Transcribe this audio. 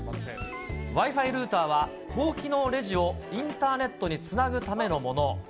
Ｗｉ−Ｆｉルーターは、高機能レジをインターネットにつなぐためのもの。